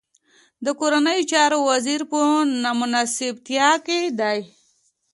د کورنيو چارو وزير په ناسوبتيا کې دی.